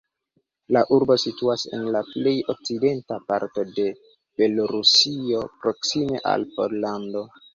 La urbo situas en la plej okcidenta parto de Belorusio, proksime al Pollando.